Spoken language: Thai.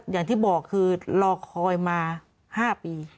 อย่างที่บอกคือรอคอยมา๕ปี